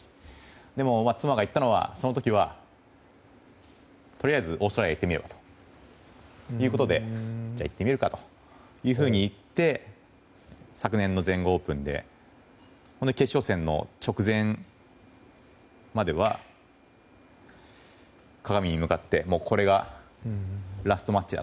でも、妻が言ったのはその時はとりあえずオーストラリアに行ってみよう、ということでじゃあ行ってみるかというふうに行って昨年の全豪オープンで決勝戦の直前までは鏡に向かってこれがラストマッチだ。